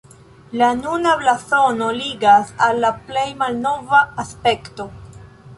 La nuna blazono ligas al la plej malnova aspekto.